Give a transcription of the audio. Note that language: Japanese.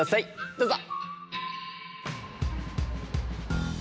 どうぞ。